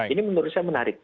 ini menurut saya menarik